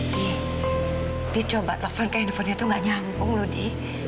di di coba telepon ke handphone nya tuh gak nyambung loh di